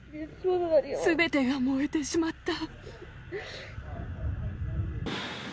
すべてが燃えてしまった。